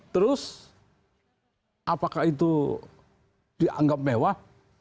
terus apakah itu dianggap mewah